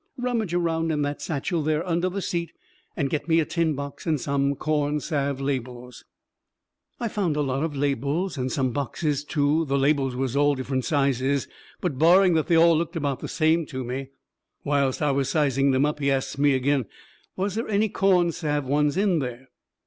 Rummage around in that satchel there under the seat and get me a tin box and some corn salve labels." I found a lot of labels, and some boxes too. The labels was all different sizes, but barring that they all looked about the same to me. Whilst I was sizing them up he asts me agin was they any corn salve ones in there.